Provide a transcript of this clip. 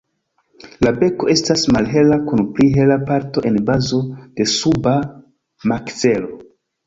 La beko estas malhela kun pli hela parto en bazo de suba makzelo.